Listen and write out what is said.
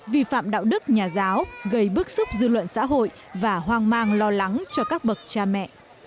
vi phạm đạo đức nhà giáo gây bức xúc dư luận xã hội và hoang mang lo lắng cho các bậc cha mẹ